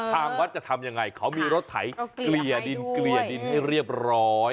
ทางวัดจะทำยังไงเขามีรถไถเกลี่ยดินเกลี่ยดินให้เรียบร้อย